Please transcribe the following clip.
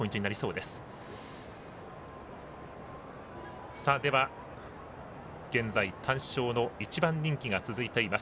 では、現在単勝の１番人気が続いています